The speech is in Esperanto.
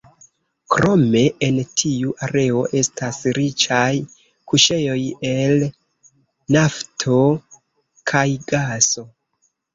Krome en tiu areo estas riĉaj kuŝejoj el nafto kaj gaso.